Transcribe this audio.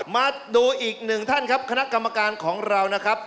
มาดูอีกหนึ่งท่านครับคณะกรรมการของเรานะครับ